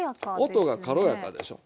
音が軽やかでしょ。